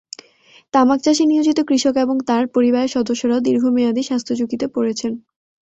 তামাক চাষে নিয়োজিত কৃষক এবং তাঁর পরিবারের সদস্যরাও দীর্ঘমেয়াদি স্বাস্থ্যঝুঁকিতে পড়ছেন।